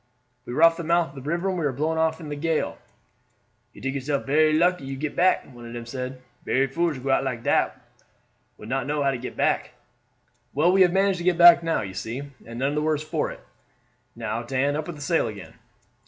"We were off the mouth of the river, and were blown off in the gale." "You tink yourself berry lucky you get back," one of them said. "Berry foolish to go out like dat when not know how to get back." "Well, we have managed to get back now, you see, and none the worse for it. Now, Dan, up with the sail again."